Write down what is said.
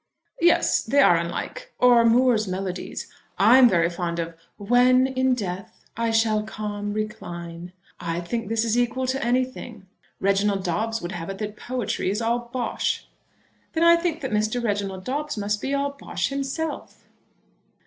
"Yes; they are unlike. Or Moore's Melodies? I am very fond of 'When in death I shall calm recline.' I think this equal to anything. Reginald Dobbes would have it that poetry is all bosh." "Then I think that Mr. Reginald Dobbes must be all bosh himself."